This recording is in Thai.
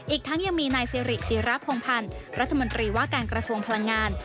อีกทั้งยังมีนายสิริจิระพงพันธ์รัฐมนตรีว่าการกระทรวงพลังงาน